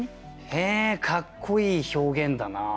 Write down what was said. へえかっこいい表現だなあ。